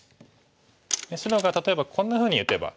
で白が例えばこんなふうに打てば。